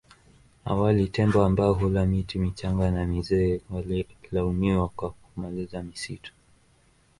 Awali tembo ambao hula miti michanga na mizee walilaumiwa kwa kumaliza misitu